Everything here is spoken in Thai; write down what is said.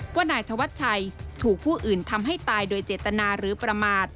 ว่านายธวัชชัยถูกผู้อื่นทำให้ตายโดยเจตนาหรือประมาท